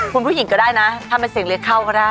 คุณผู้หญิงก็ได้นะถ้าเป็นเสียงเรียกเข้าก็ได้